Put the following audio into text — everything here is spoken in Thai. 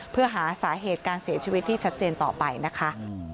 เพื่อหาสาเหตุการเสียชีวิตที่ชัดเจนต่อไปนะคะ